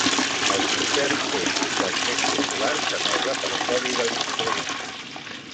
El concert és un dels més populars en el repertori de l'instrument.